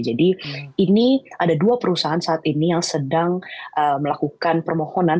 jadi ini ada dua perusahaan saat ini yang sedang melakukan permohonan